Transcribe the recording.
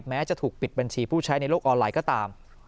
แม้จะถูกปิดบัญชีผู้ใช้ในโลกออนไลน์ก็ตาม